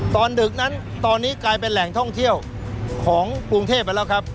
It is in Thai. ตอนดึกนั้นตอนนี้กลายเป็นแหล่งท่องเที่ยวของกรุงเทพ